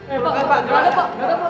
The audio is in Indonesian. eh pak pak pak